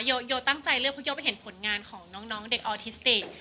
โยโยตั้งใจเลือกเพราะโยไปเห็นผลงานของน้องเด็กออทิสติก